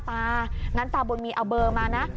งั้นตาบุญมีเอาเบอร์มานะ